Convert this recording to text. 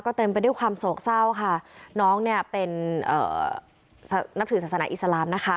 เต็มไปด้วยความโศกเศร้าค่ะน้องเนี่ยเป็นนับถือศาสนาอิสลามนะคะ